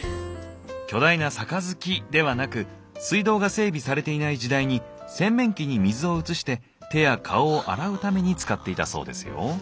巨大な杯ではなく水道が整備されていない時代に洗面器に水を移して手や顔を洗うために使っていたそうですよ。